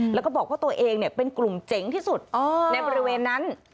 แล้วก็บอกว่าตัวเองเป็นกลุ่มเจ๋งที่สุดในบริเวณนั้น